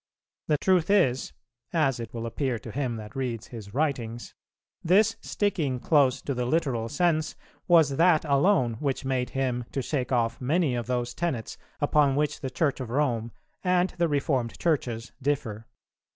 The truth is (as it will appear to him that reads his writings), this sticking close to the literal sense was that alone which made him to shake off many of those tenets upon which the Church of Rome and the reformed Churches differ.